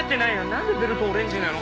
なんでベルトオレンジなの？